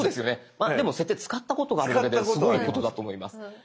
まあでも「設定」使ったことがあるだけですごいことだと思います。